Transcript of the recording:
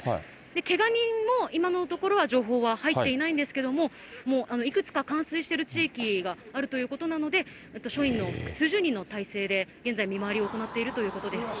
けが人も今のところは情報は入っていないんですけれども、もういくつか冠水している地域があるということなので、署員の、数十人の態勢で現在、見回りを行っているということです。